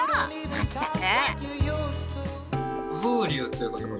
まったく。